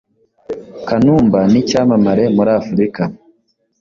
kanumba nicyamamare muri Africa